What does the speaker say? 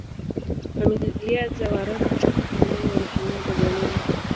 familia za waarabu kutoka Oman walihamia Bagamoyo